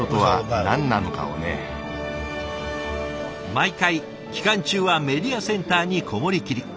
毎回期間中はメディアセンターに籠もりきり。